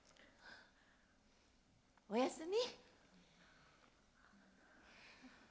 おやすみ。